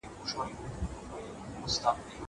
اوبه د زهشوم له خوا ورکول کيږي.